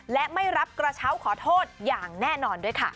และไม่รับกระเช้าขอโทษอย่างแน่นอนด้วยค่ะ